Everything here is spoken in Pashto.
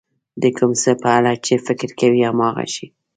د کوم څه په اړه چې فکر کوئ هماغه شی.